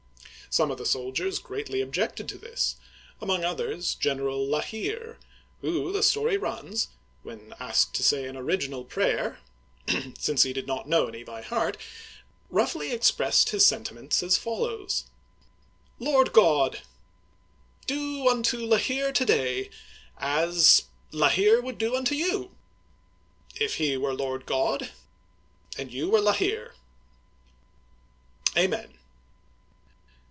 Some of the soldiers greatly objected to this, among others General La Hire (heer), who, the story runs, when asked to say an original prayer, since he did not know any by heart, roughly expressed his sentiments as follows :" Lord God, — Do unto La Hire to day as La Hire would do unto you, if he were Lord God and you were La Hire. Amen."